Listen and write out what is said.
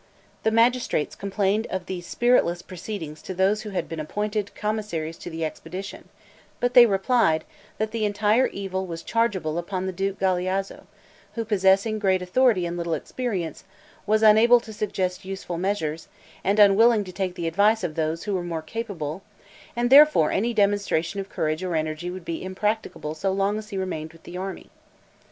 The magistrates complained of these spiritless proceedings to those who had been appointed commissaries to the expedition; but they replied, that the entire evil was chargeable upon the Duke Galeazzo, who possessing great authority and little experience, was unable to suggest useful measures, and unwilling to take the advice of those who were more capable; and therefore any demonstration of courage or energy would be impracticable so long as he remained with the army.